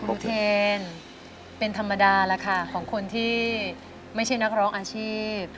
อุเทนเป็นธรรมดาแล้วค่ะของคนที่ไม่ใช่นักร้องอาชีพ